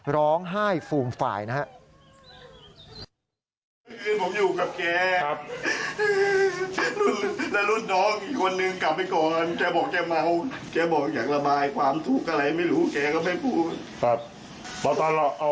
ร้องไห้ฟูมฝ่ายนะครับ